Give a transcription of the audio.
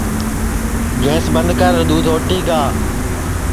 گیںٚس بند کر دؔودھ اوٹی گا